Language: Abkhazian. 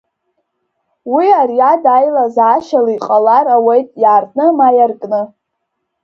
Уи ариад аилазаашьала иҟалар ауеит иаартны ма иаркны.